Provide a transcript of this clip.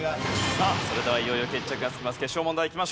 さあそれではいよいよ決着がつきます。